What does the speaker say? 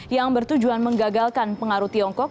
yang bertujuan menggagalkan pengaruh tiongkok